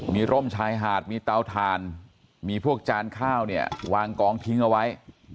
มีร่มชายหาดมีเตาถ่านมีพวกจานข้าวเนี่ยวางกองทิ้งเอาไว้